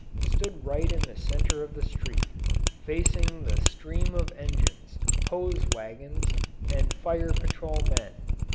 stood right in the centre of the street, facing the stream of engines, hose wagons, and fire patrol men.